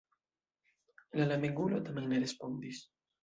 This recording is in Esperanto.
La lamegulo tamen ne respondis.